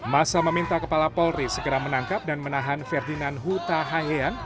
masa meminta kepala polri segera menangkap dan menahan ferdinand huta hayan